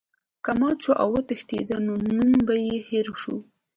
که مات شو او وتښتیدی نوم به یې هیر شو.